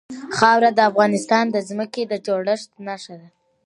خاوره د افغانستان د ځمکې د جوړښت نښه ده.